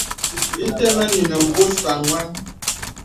Bī tə̄mēŋnì nə̀ būs banwan.